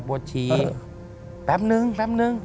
บวชชีแป๊บนึงแป๊บนึง